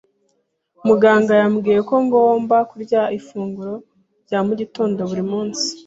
Muganga yambwiye ko ngomba kurya ifunguro rya mu gitondo buri munsi.